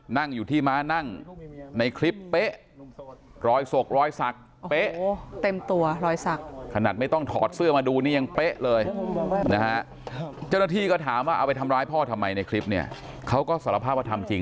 นั่งอยู่ที่ม้านั่งในคลิปรอยสกรอยศักดิ์